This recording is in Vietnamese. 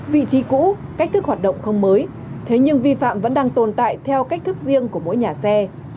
vị trí cũ cách thức hoạt động không mới thế nhưng vi phạm vẫn đang tồn tại theo cách thức riêng của mỗi nhà xe